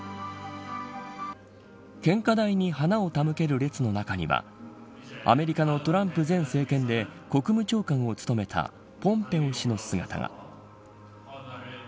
献花台に花を手向ける列の中にはアメリカのトランプ前政権で国務長官を務めたポンペオ氏の姿が。